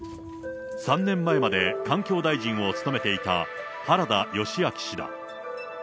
３年前まで環境大臣を務めていた原田義昭氏だ。